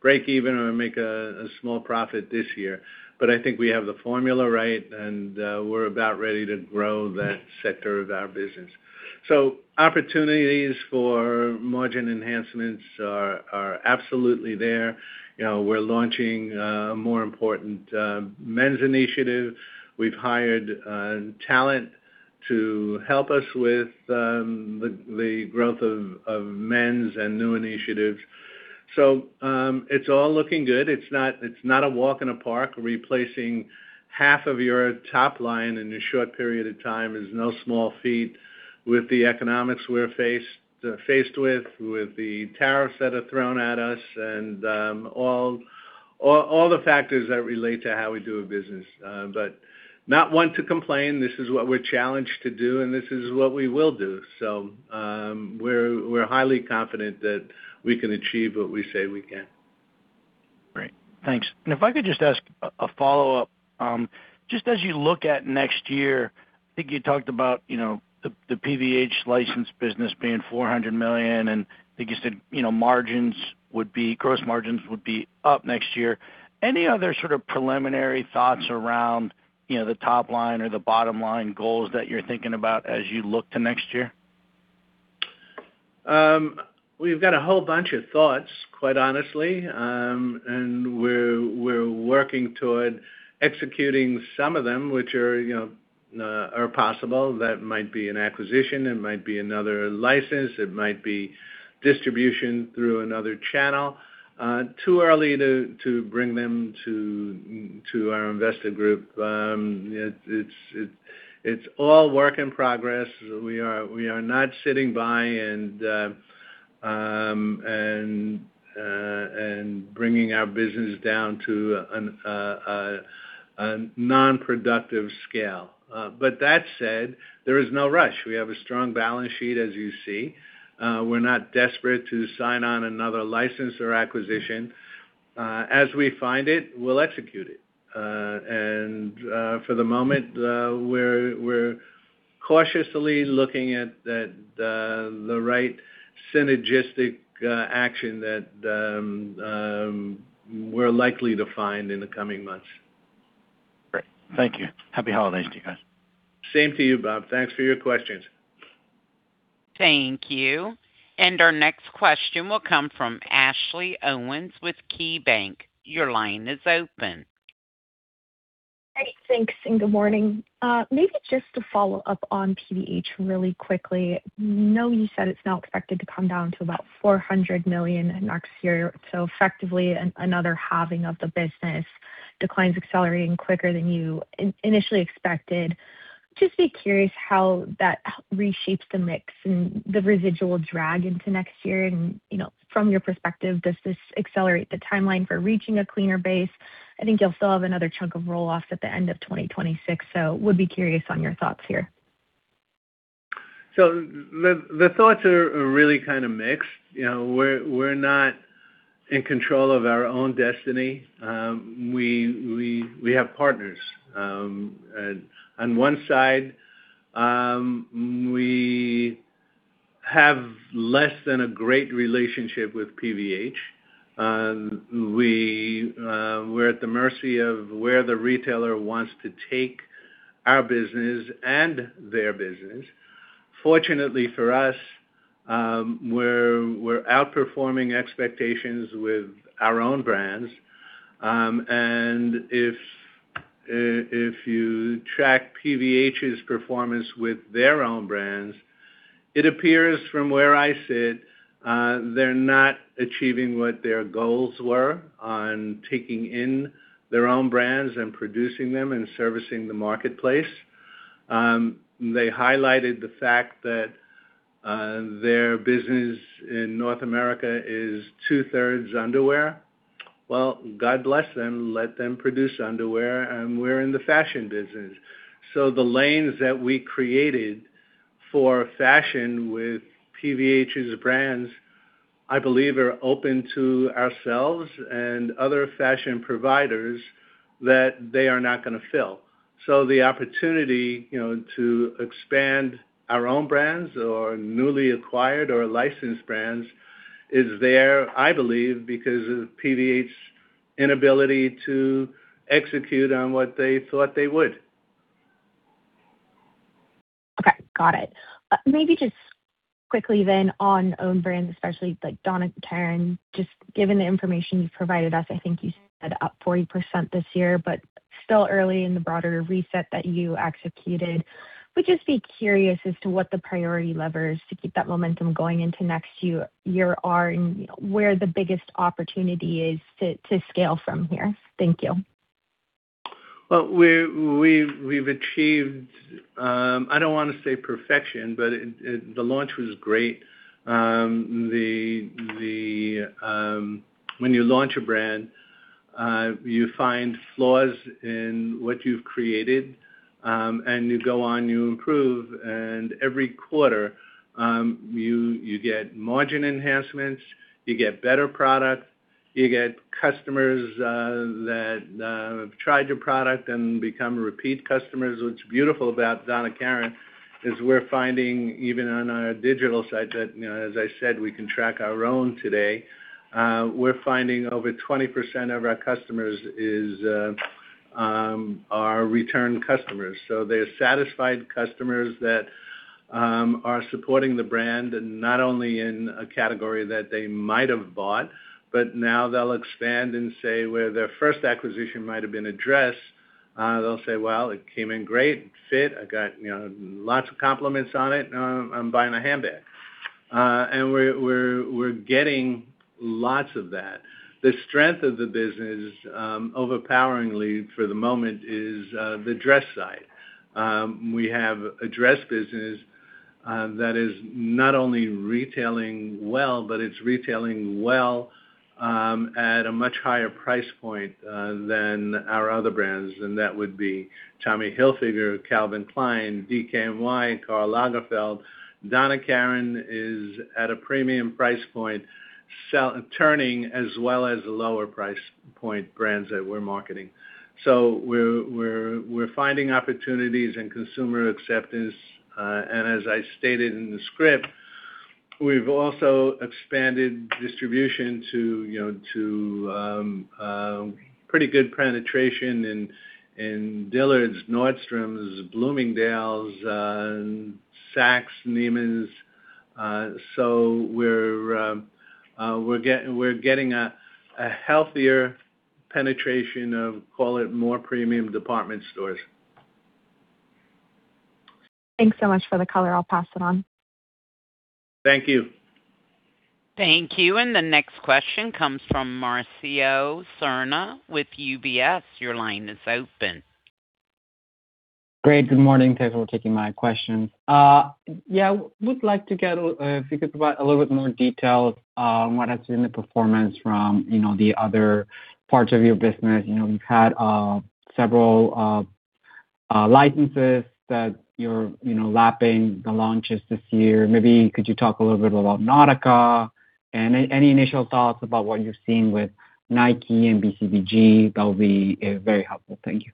break even or make a small profit this year. But I think we have the formula right, and we're about ready to grow that sector of our business. Opportunities for margin enhancements are absolutely there. We're launching a more important men's initiative. We've hired talent to help us with the growth of men's and new initiatives. So it's all looking good. It's not a walk in the park. Replacing half of your top line in a short period of time is no small feat with the economics we're faced with, with the tariffs that are thrown at us, and all the factors that relate to how we do business. But not one to complain. This is what we're challenged to do, and this is what we will do. So we're highly confident that we can achieve what we say we can. Great. Thanks. And if I could just ask a follow-up, just as you look at next year, I think you talked about the PVH license business being $400 million, and I think you said gross margins would be up next year. Any other sort of preliminary thoughts around the top line or the bottom line goals that you're thinking about as you look to next year? We've got a whole bunch of thoughts, quite honestly. And we're working toward executing some of them, which are possible. That might be an acquisition. It might be another license. It might be distribution through another channel. Too early to bring them to our investor group. It's all work in progress. We are not sitting by and bringing our business down to a non-productive scale. But that said, there is no rush. We have a strong balance sheet, as you see. We're not desperate to sign on another license or acquisition. As we find it, we'll execute it. And for the moment, we're cautiously looking at the right synergistic action that we're likely to find in the coming months. Great. Thank you. Happy holidays to you guys. Same to you, Bob. Thanks for your questions. Thank you. And our next question will come from Ashley Owens with KeyBanc. Your line is open. Hey, thanks. And good morning. Maybe just to follow up on PVH really quickly. I know you said it's now expected to come down to about $400 million next year. So effectively, another halving of the business declines accelerating quicker than you initially expected. Just be curious how that reshapes the mix and the residual drag into next year. From your perspective, does this accelerate the timeline for reaching a cleaner base? I think you'll still have another chunk of roll-off at the end of 2026, so would be curious on your thoughts here. So the thoughts are really kind of mixed. We're not in control of our own destiny. We have partners. On one side, we have less than a great relationship with PVH. We're at the mercy of where the retailer wants to take our business and their business. Fortunately for us, we're outperforming expectations with our own brands. And if you track PVH's performance with their own brands, it appears from where I sit, they're not achieving what their goals were on taking in their own brands and producing them and servicing the marketplace. They highlighted the fact that their business in North America is two-thirds underwear. Well, God bless them. Let them produce underwear, and we're in the fashion business. So the lanes that we created for fashion with PVH's brands, I believe, are open to ourselves and other fashion providers that they are not going to fill. So the opportunity to expand our own brands or newly acquired or licensed brands is there, I believe, because of PVH's inability to execute on what they thought they would. Okay. Got it. Maybe just quickly then on owned brands, especially like Donna Karan, just given the information you've provided us, I think you said up 40% this year, but still early in the broader reset that you executed. Would just be curious as to what the priority levers to keep that momentum going into next year are and where the biggest opportunity is to scale from here. Thank you. We've achieved, I don't want to say perfection, but the launch was great. When you launch a brand, you find flaws in what you've created, and you go on, you improve. Every quarter, you get margin enhancements. You get better products. You get customers that have tried your product and become repeat customers. What's beautiful about Donna Karan is we're finding, even on our digital site, that, as I said, we can track our own today. We're finding over 20% of our customers are return customers. So they're satisfied customers that are supporting the brand not only in a category that they might have bought, but now they'll expand and say where their first acquisition might have been addressed. They'll say, "Well, it came in great. It fit. I got lots of compliments on it. I'm buying a handbag." And we're getting lots of that. The strength of the business overwhelmingly for the moment is the dress side. We have a Dress business that is not only retailing well, but it's retailing well at a much higher price point than our other brands. And that would be Tommy Hilfiger, Calvin Klein, DKNY, Karl Lagerfeld. Donna Karan is at a premium price point turning as well as lower price point brands that we're marketing. So we're finding opportunities and consumer acceptance. And as I stated in the script, we've also expanded distribution to pretty good penetration in Dillard's, Nordstrom, Bloomingdale's, Saks, Neiman's. So we're getting a healthier penetration of, call it, more premium department stores. Thanks so much for the color. I'll pass it on. Thank you. Thank you. And the next question comes from Mauricio Serna with UBS. Your line is open. Great. Good morning. Thanks for taking my question. Yeah. I would like to get if you could provide a little bit more detail on what has been the performance from the other parts of your business. You've had several licenses that you're lapping the launches this year. Maybe could you talk a little bit about Nautica and any initial thoughts about what you've seen with Nike and BCBG? That will be very helpful. Thank you.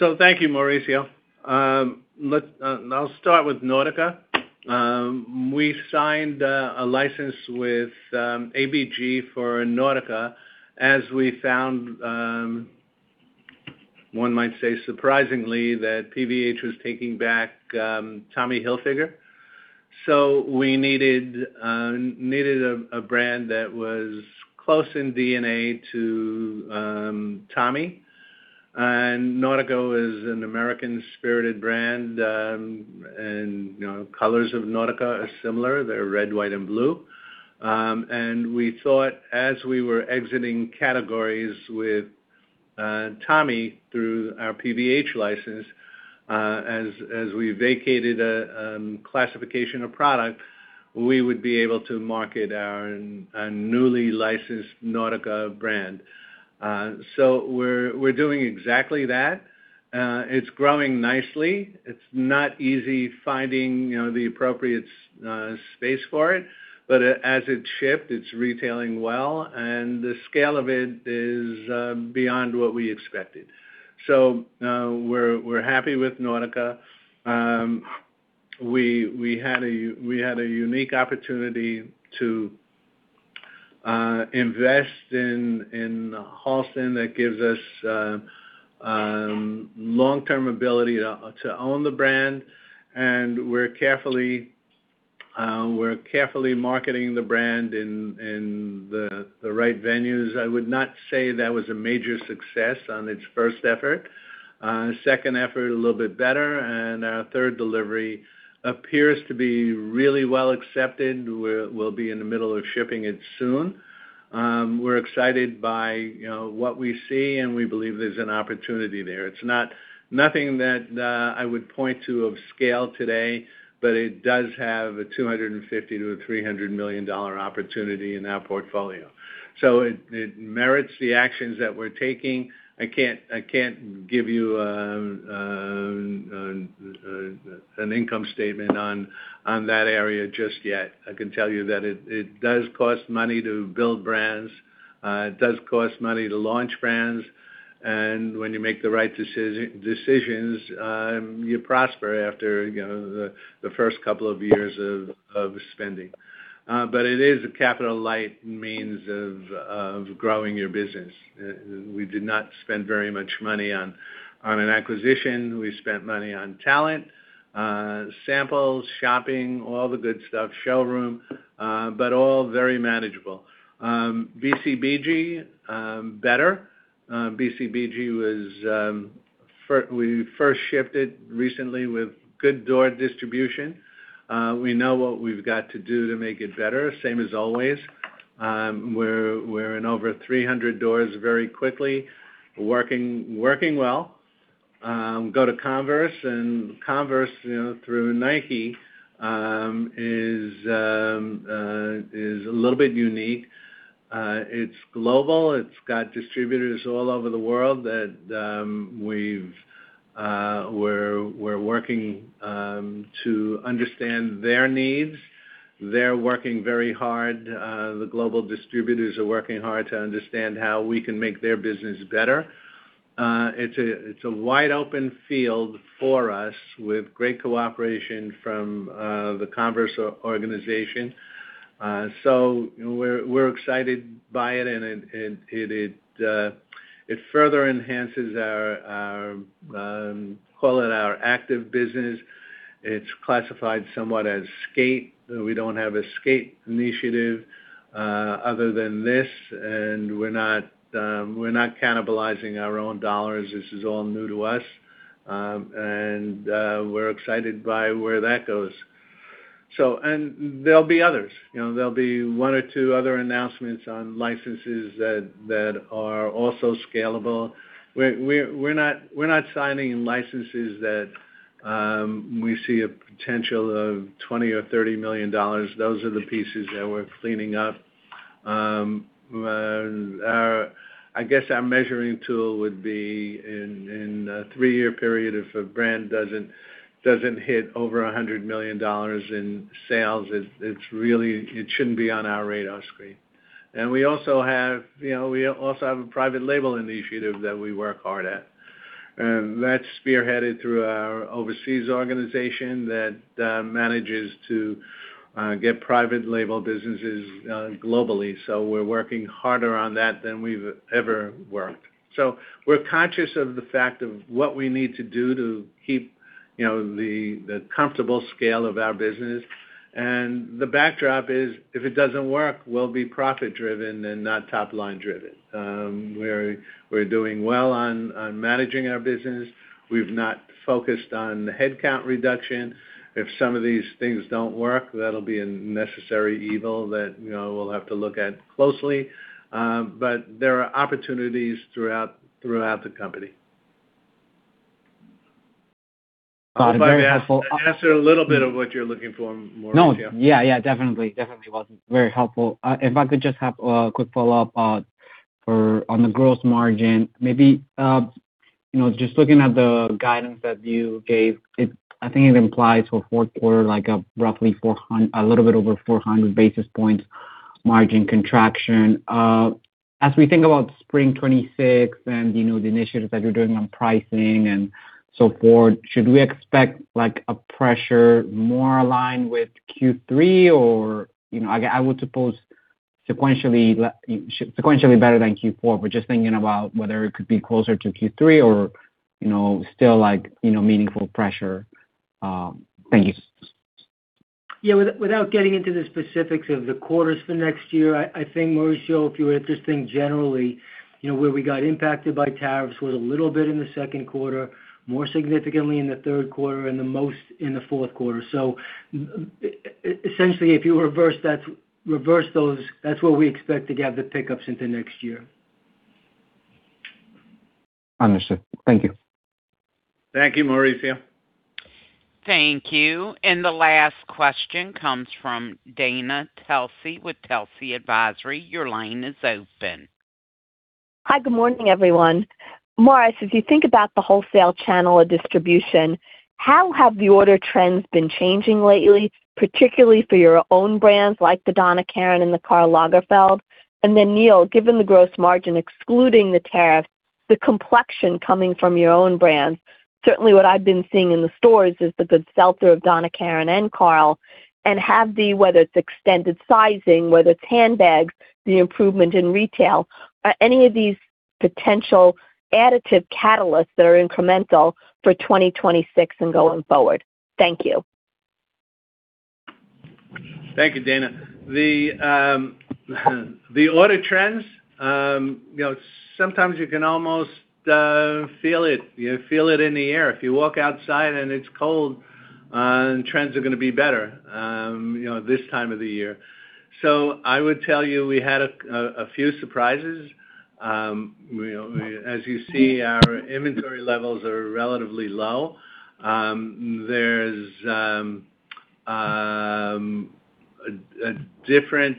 Thank you, Mauricio. I'll start with Nautica. We signed a license with ABG for Nautica as we found, one might say, surprisingly, that PVH was taking back Tommy Hilfiger. So we needed a brand that was close in DNA to Tommy. And Nautica is an American-spirited brand. Colors of Nautica are similar. They're red, white, and blue. We thought as we were exiting categories with Tommy through our PVH license, as we vacated a classification of product, we would be able to market our newly licensed Nautica brand. So we're doing exactly that. It's growing nicely. It's not easy finding the appropriate space for it. But as it shipped, it's retailing well. And the scale of it is beyond what we expected. So we're happy with Nautica. We had a unique opportunity to invest in Halston that gives us long-term ability to own the brand. And we're carefully marketing the brand in the right venues. I would not say that was a major success on its first effort. Second effort, a little bit better. And our third delivery appears to be really well accepted. We'll be in the middle of shipping it soon. We're excited by what we see, and we believe there's an opportunity there. It's nothing that I would point to of scale today, but it does have a $250 million-$300 million opportunity in our portfolio. So it merits the actions that we're taking. I can't give you an income statement on that area just yet. I can tell you that it does cost money to build brands. It does cost money to launch brands. And when you make the right decisions, you prosper after the first couple of years of spending. But it is a capital-light means of growing your business. We did not spend very much money on an acquisition. We spent money on talent, samples, shopping, all the good stuff, showroom, but all very manageable. BCBG, better. BCBG, we first shipped it recently with good door distribution. We know what we've got to do to make it better, same as always. We're in over 300 doors very quickly, working well. Go to Converse. Converse through Nike is a little bit unique. It's global. It's got distributors all over the world that we're working to understand their needs. They're working very hard. The global distributors are working hard to understand how we can make their business better. It's a wide-open field for us with great cooperation from the Converse organization. So we're excited by it. And it further enhances our, call it, our active business. It's classified somewhat as skate. We don't have a skate initiative other than this. And we're not cannibalizing our own dollars. This is all new to us. We're excited by where that goes. And there'll be others. There'll be one or two other announcements on licenses that are also scalable. We're not signing licenses that we see a potential of $20 million or $30 million. Those are the pieces that we're cleaning up. I guess our measuring tool would be in a three-year period if a brand doesn't hit over $100 million in sales. It shouldn't be on our radar screen, and we also have a private label initiative that we work hard at, and that's spearheaded through our overseas organization that manages to get private label businesses globally, so we're working harder on that than we've ever worked, so we're conscious of the fact of what we need to do to keep the comfortable scale of our business, and the backdrop is if it doesn't work, we'll be profit-driven and not top-line-driven. We're doing well on managing our business. We've not focused on headcount reduction. If some of these things don't work, that'll be a necessary evil that we'll have to look at closely, but there are opportunities throughout the company. If I could answer a little bit of what you're looking for, Mauricio. Yeah. Definitely was very helpful. If I could just have a quick follow-up on the gross margin, maybe just looking at the guidance that you gave, I think it implies for fourth quarter, like a roughly a little bit over 400 basis points margin contraction. As we think about Spring 2026 and the initiatives that you're doing on pricing and so forth, should we expect a pressure more aligned with Q3? Or I would suppose sequentially better than Q4, but just thinking about whether it could be closer to Q3 or still meaningful pressure. Thank you. Yeah. Without getting into the specifics of the quarters for next year, I think, Mauricio, if you were interested generally, where we got impacted by tariffs was a little bit in the second quarter, more significantly in the third quarter, and the most in the fourth quarter. So essentially, if you reverse those, that's where we expect to get the pickups into next year. Understood. Thank you. Thank you, Mauricio. Thank you. The last question comes from Dana Telsey with Telsey Advisory. Your line is open. Hi. Good morning, everyone. Morris, as you think about the wholesale channel of distribution, how have the order trends been changing lately, particularly for your own brands like the Donna Karan and the Karl Lagerfeld? And then, Neal, given the gross margin excluding the tariffs, the complexion coming from your own brands, certainly what I've been seeing in the stores is the good sell-through of Donna Karan and Karl. And have the, whether it's extended sizing, whether it's handbags, the improvement in retail, any of these potential additive catalysts that are incremental for 2026 and going forward? Thank you. Thank you, Dana. The order trends, sometimes you can almost feel it. You feel it in the air. If you walk outside and it's cold, trends are going to be better this time of the year. So I would tell you we had a few surprises. As you see, our inventory levels are relatively low. There's a different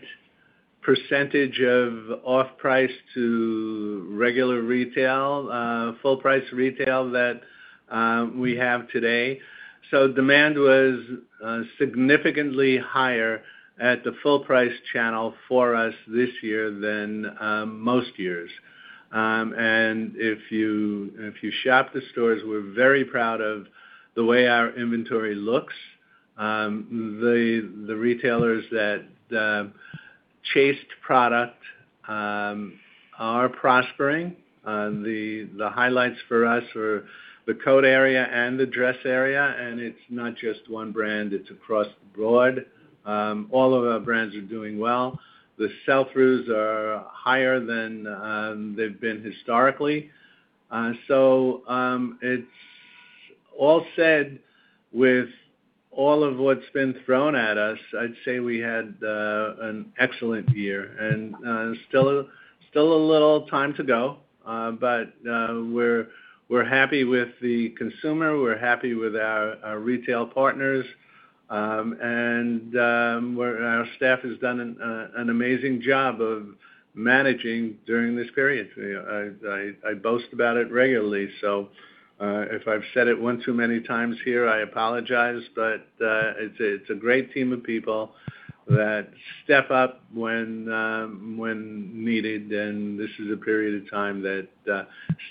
percentage of off-price to regular retail, full-price retail that we have today. So demand was significantly higher at the full-price channel for us this year than most years. If you shop the stores, we're very proud of the way our inventory looks. The retailers that chased product are prospering. The highlights for us are the coat area and the dress area. It's not just one brand. It's across the board. All of our brands are doing well. The sell-throughs are higher than they've been historically. It's all said with all of what's been thrown at us, I'd say we had an excellent year. Still a little time to go. We're happy with the consumer. We're happy with our retail partners. Our staff has done an amazing job of managing during this period. I boast about it regularly. If I've said it one too many times here, I apologize. It's a great team of people that step up when needed. This is a period of time that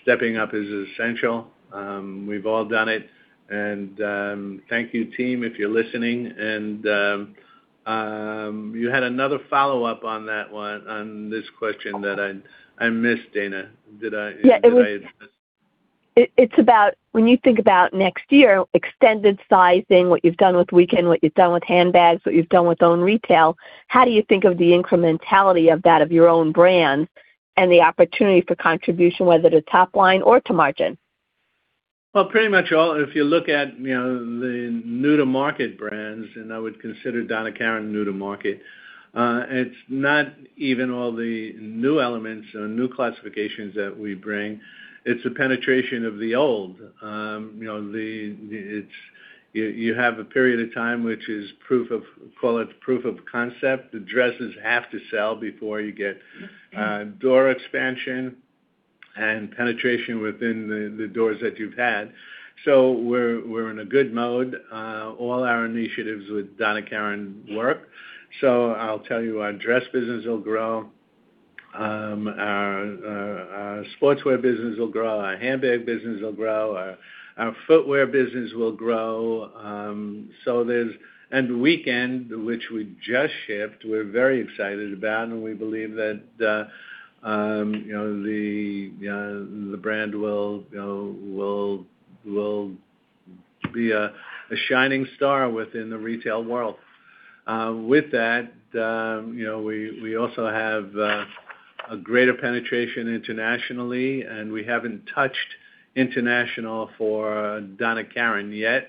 stepping up is essential. We've all done it. Thank you, team, if you're listening. You had another follow-up on that one, on this question that I missed, Dana. Did I? Yeah. It's about when you think about next year, extended sizing, what you've done with Weekend, what you've done with handbags, what you've done with own retail, how do you think of the incrementality of that of your own brands and the opportunity for contribution, whether to top line or to margin? Pretty much all, if you look at the new-to-market brands, and I would consider Donna Karan new-to-market, it's not even all the new elements or new classifications that we bring. It's the penetration of the old. You have a period of time, which is proof of, call it proof of concept. The dresses have to sell before you get door expansion and penetration within the doors that you've had, so we're in a good mode. All our initiatives with Donna Karan work, so I'll tell you, our dress business will grow. Our sportswear business will grow. Our handbag business will grow. Our footwear business will grow, and Weekend, which we just shipped, we're very excited about. We believe that the brand will be a shining star within the retail world. With that, we also have a greater penetration internationally, and we haven't touched international for Donna Karan yet,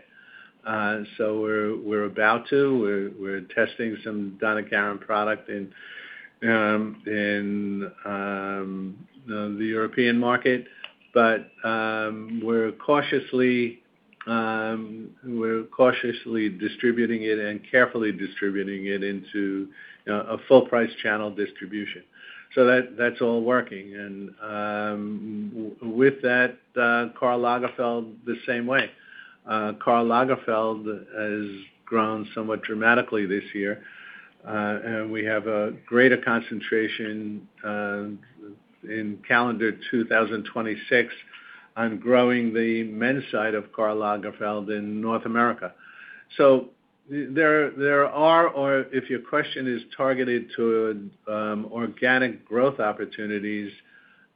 so we're about to. We're testing some Donna Karan product in the European market, but we're cautiously distributing it and carefully distributing it into a full-price channel distribution, so that's all working, and with that, Karl Lagerfeld, the same way. Karl Lagerfeld has grown somewhat dramatically this year. And we have a greater concentration in calendar 2026 on growing the men's side of Karl Lagerfeld in North America. So there are, or if your question is targeted to organic growth opportunities,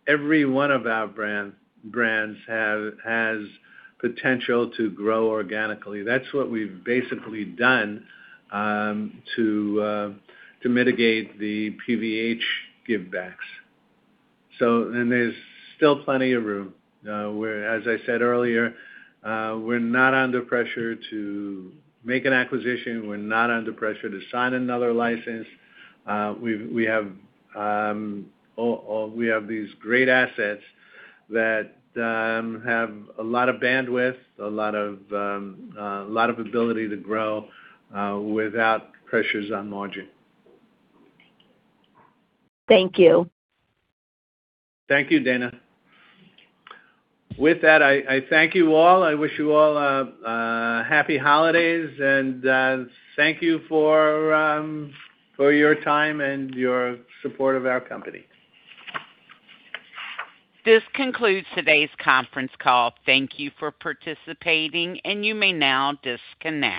every one of our brands has potential to grow organically. That's what we've basically done to mitigate the PVH give-backs. There's still plenty of room. As I said earlier, we're not under pressure to make an acquisition. We're not under pressure to sign another license. We have these great assets that have a lot of bandwidth, a lot of ability to grow without pressures on margin. Thank you. Thank you, Dana. With that, I thank you all. I wish you all happy holidays. Thank you for your time and your support of our company. This concludes today's conference call. Thank you for participating. And you may now disconnect.